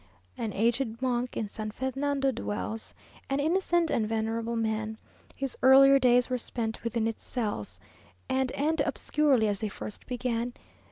An aged monk in San Fernando dwells, An innocent and venerable man; His earlier days were spent within its cells. And end obscurely as they first began.